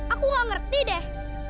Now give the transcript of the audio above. aku gak ngerti deh